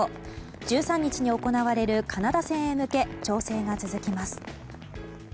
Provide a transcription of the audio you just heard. １３日に行われるカナダ戦に向けて調整が続きます。